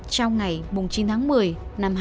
trong ngày chín tháng một mươi năm hai nghìn một mươi chín